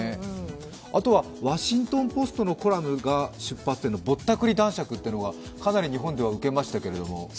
あとは、「ワシントン・ポスト」のコラムが出発点のぼったくり男爵というのがかなり日本ではウケましたけれども。